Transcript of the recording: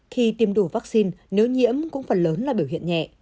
khi tiêm đủ vaccine nếu nhiễm cũng phần lớn là biểu hiện nhẹ